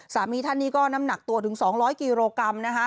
สามีท่านนี้ก็น้ำหนักตัวถึง๒๐๐กิโลกรัมนะคะ